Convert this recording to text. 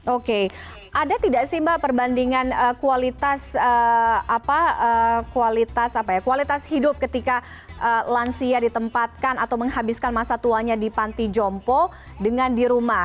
oke ada tidak sih mbak perbandingan kualitas hidup ketika lansia ditempatkan atau menghabiskan masa tuanya di panti jompo dengan di rumah